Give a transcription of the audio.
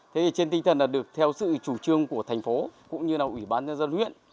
thế thì trên tinh thần là được theo sự chủ trương của thành phố cũng như là ủy ban nhân dân huyện